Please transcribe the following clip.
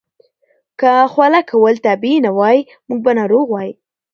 که خوله کول طبیعي نه وای، موږ به ناروغ وای.